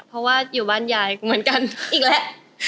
เพราะว่าอยู่บ้านยายเหมือนกันอีกแล้ว